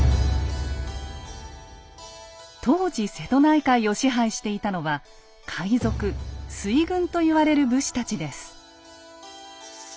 当時瀬戸内海を支配していたのは海賊水軍といわれる武士たちです。